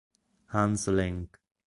Hans Lenk